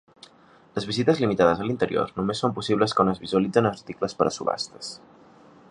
Les visites limitades a l'interior només són possibles quan es visualitzen articles per a subhastes.